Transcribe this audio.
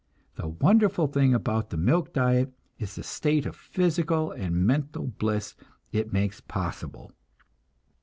The wonderful thing about the milk diet is the state of physical and mental bliss it makes possible.